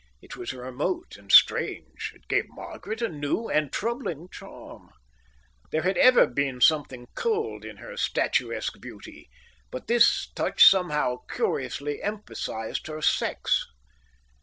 It was remote and strange. It gave Margaret a new and troubling charm. There had ever been something cold in her statuesque beauty, but this touch somehow curiously emphasized her sex.